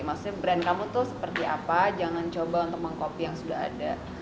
maksudnya brand kamu tuh seperti apa jangan coba untuk meng copy yang sudah ada